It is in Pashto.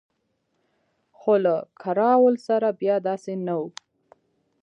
خو له کراول سره بیا داسې نه وو.